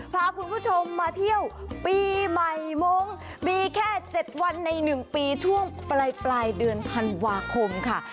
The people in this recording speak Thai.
พาคุณผู้ชมมาเที่ยวปีใหม่มงค์มีแค่๗วันใน๑ปีช่วงปลายเดือนธันวาคมค่ะ